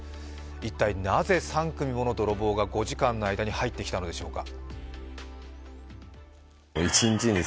一体なぜ３組もの泥棒が５時間の間に入ってきたのでしょうか。